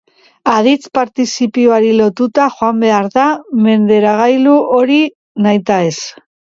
Aditz-partizipioari lotuta joan behar da menderagailu hori nahitaez.